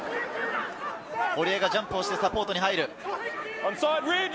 堀江がジャンプをしてサポートに入る。